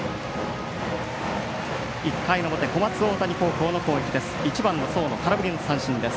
１回の表、小松大谷の攻撃です。